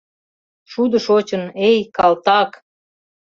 Шудо шочын — эй, калтак!